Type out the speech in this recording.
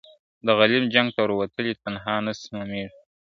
د غلیم جنګ ته وروتلي تنها نه سمیږو ,